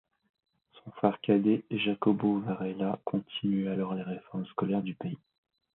Son frère cadet Jacobo Varela continue alors les réformes scolaires du pays.